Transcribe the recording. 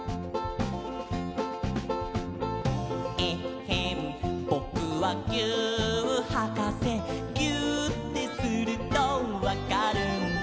「えっへんぼくはぎゅーっはかせ」「ぎゅーってするとわかるんだ」